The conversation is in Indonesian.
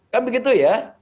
kan begitu ya